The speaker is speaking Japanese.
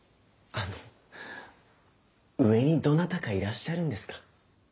あの上にどなたかいらっしゃるんですか？